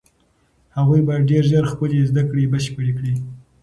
هغوی به ډېر ژر خپلې زده کړې بشپړې کړي.